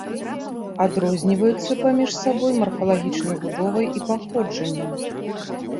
Адрозніваюцца паміж сабой марфалагічнай будовай і паходжаннем.